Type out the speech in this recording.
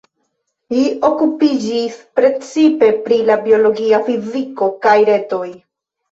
Li okupiĝis precipe pri la biologia fiziko kaj retoj.